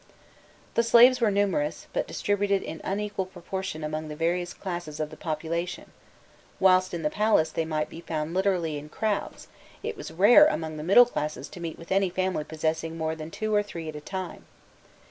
The slaves were numerous, but distributed in unequal proportion among the various classes of the population: whilst in the palace they might be found literally in crowds, it was rare among the middle classes to meet with any family possessing more than two or three at a time.